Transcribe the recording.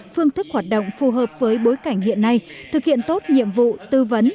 phương thức hoạt động phù hợp với bối cảnh hiện nay thực hiện tốt nhiệm vụ tư vấn